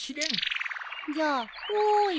じゃあ「おい！」